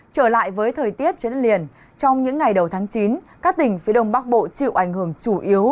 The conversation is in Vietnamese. trở lại với thời tiết trên liền trong những ngày đầu tháng chín các tỉnh phía đông bắc bộ chịu ảnh hưởng chủ yếu